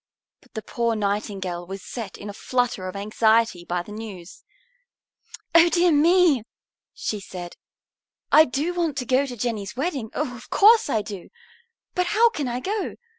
But the poor Nightingale was set in a flutter of anxiety by the news. "Oh, dear me!" she said, "I do want to go to Jenny's wedding, oh, of course I do! But how can I go?